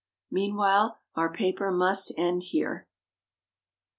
Meanwhile our paper must end here.